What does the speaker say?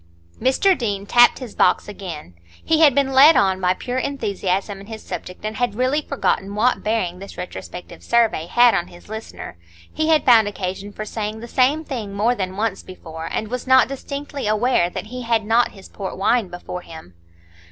Mr Deane tapped his box again. He had been led on by pure enthusiasm in his subject, and had really forgotten what bearing this retrospective survey had on his listener. He had found occasion for saying the same thing more than once before, and was not distinctly aware that he had not his port wine before him.